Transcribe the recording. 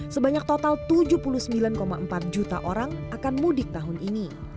sebanyak total tujuh puluh sembilan empat juta orang akan mudik tahun ini